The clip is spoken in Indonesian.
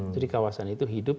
jadi kawasan itu hidup